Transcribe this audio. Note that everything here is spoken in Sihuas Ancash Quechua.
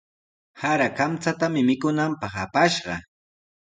Sara kamchatami mikunanpaq apashqa.